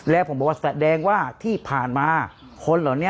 แล้วผมบอกว่าแสดงว่าที่ผ่านมาคนเหล่านี้